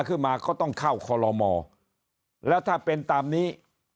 ขึ้นมาก็ต้องเข้าคอลโลมอแล้วถ้าเป็นตามนี้